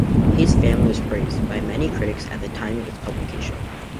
"His Family" was praised by many critics at the time of its publication.